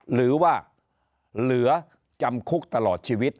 หรือว่าเหลือจำคุกตลอดชีวิต